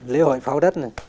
lễ hội pháo đất này